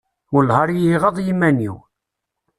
Welleh ar i y-iɣaḍ yiman-iw!